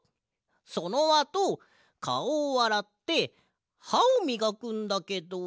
そのあとかおをあらってはをみがくんだけど。